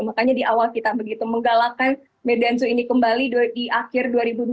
makanya di awal kita begitu menggalakkan medan zoo ini kembali di akhir dua ribu dua puluh